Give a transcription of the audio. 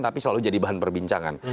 tapi selalu jadi bahan perbincangan